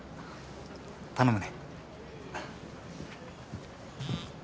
頼むね。